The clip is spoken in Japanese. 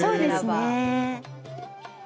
そうですね。